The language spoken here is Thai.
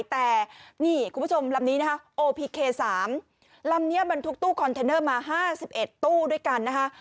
แต่นี่คุณผู้ชมลำนี้นะคะโอพีเค๓ลำนี้บรรทุกตู้คอนเทนเนอร์มา๕๑ตู้ด้วยกันนะคะ